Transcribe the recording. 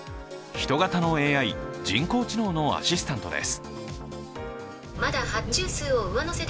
人型のＡＩ＝人工知能のアシスタントです。